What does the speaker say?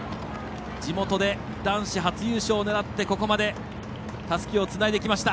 地元で男子初優勝を狙ってここまでたすきをつないできました。